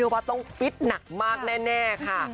ว่าต้องฟิตหนักมากแน่ค่ะ